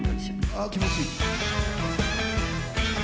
ああ気持ちいい。